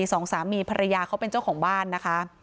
สองสามีภรรยาเขาเป็นเจ้าของบ้านนะคะ